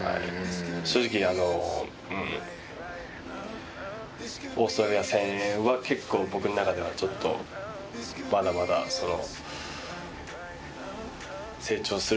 正直オーストラリア戦は結構僕の中ではちょっとまだまだその。